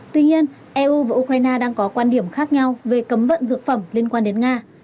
tuy nhiên eu và ukraine đang có quan điểm khác nhau về cấm vận dược phẩm liên quan đến nga